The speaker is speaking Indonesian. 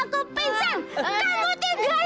kamu udah tau aku pingsan